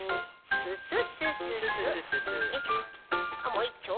もういっちょ。